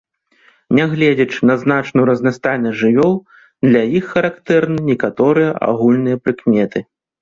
Нягледзячы на значную разнастайнасць жывёл, для іх характэрны некаторыя агульныя прыкметы.